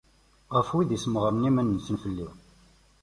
Ɣef wid issemɣaren iman-nsen fell-i.